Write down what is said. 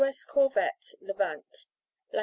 S. Corvette Levant, Lat.